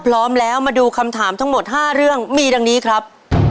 พร้อมแล้วมาดูคำถามทั้งหมด๕เรื่องมีดังนี้ครับ